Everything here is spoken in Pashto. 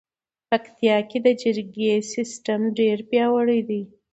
پکتیکا کې د جرګې سیستم ډېر پیاوړی دی.